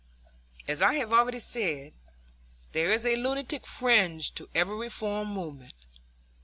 As I have already said, there is a lunatic fringe to every reform movement.